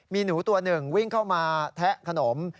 มีหนูตัวหนึ่งวิ่งเข้ามาแทะขนม